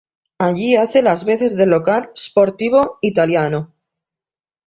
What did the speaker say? Allí hace las veces de local Sportivo Italiano.